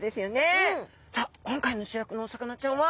さあ今回の主役のお魚ちゃんは。